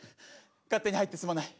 勝手に入ってすまない。